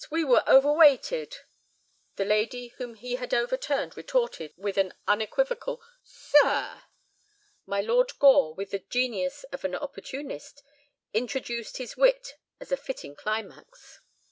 We were overweighted—" The lady whom he had overturned retorted with an unequivocal "Sir!" My Lord Gore, with the genius of an opportunist, introduced his wit as a fitting climax.